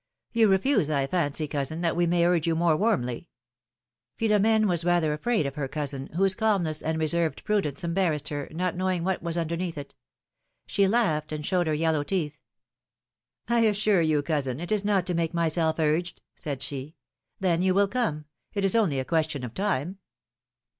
You refuse, I fancy, cousin, that we may urge you more warmly." Philomene was rather afraid of her cousin, whose calm ness and reserved prudence embarrassed her, not knowing wdiat was underneath it. She laughed, and showed her yellow teeth. I assure you, cousin, it is not to make myself urged," said she. '^Then you will come — it is only a question of time."